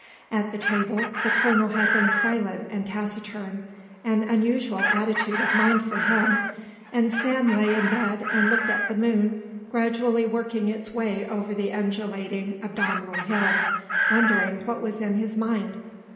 At the table, the colonel had been silent and taciturn, an unusual attitude of mind for him, and Sam lay in bed and looked at the moon gradually working its way over the undulating abdominal hill, wondering what was in his mind.